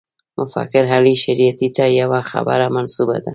مفکر علي شریعیتي ته یوه خبره منسوبه ده.